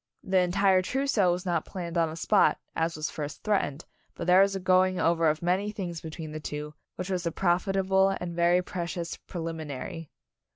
The entire trousseau was not planned on the spot, as was first threatened, but there was a going over of many things between the two, which was a profitable and very precious prelimi nary.